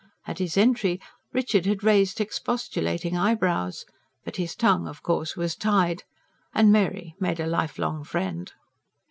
At his entry Richard had raised expostulating eyebrows; but his tongue of course was tied. And Mary made a lifelong friend.